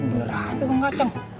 bener aja tukang kacang